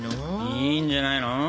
いいんじゃないの？